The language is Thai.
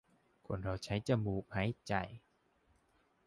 คนเราใช้จมูกในการหายใจ